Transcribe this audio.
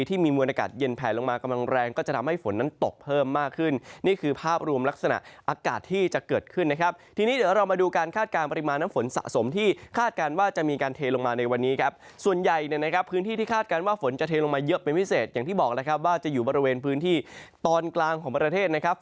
กำลังแรงก็จะทำให้ฝนนั้นตกเพิ่มมากขึ้นนี่คือภาพรวมลักษณะอากาศที่จะเกิดขึ้นนะครับทีนี้เดี๋ยวเรามาดูการคาดการณ์ปริมาณน้ำฝนสะสมที่คาดการณ์ว่าจะมีการเทลงมาในวันนี้ครับส่วนใหญ่ในนะครับพื้นที่ที่คาดการณ์ว่าฝนจะเทลงมาเยอะเป็นพิเศษอย่างที่บอกแล้วครับว่าจะอยู่บริเวณพื้นท